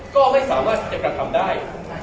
ก็ไม่สามารถที่จะกระทำได้